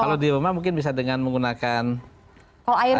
kalau di rumah mungkin bisa dengan menggunakan air